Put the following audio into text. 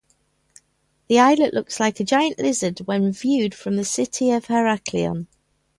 The islet looks like a giant lizard when viewed from the city of Heraklion.